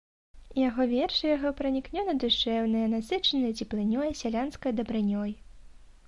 Яго вершы яго пранікнёна- душэўныя, насычаныя цеплынёй, сялянскай дабрынёй.